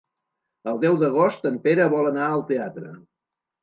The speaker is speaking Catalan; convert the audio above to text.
El deu d'agost en Pere vol anar al teatre.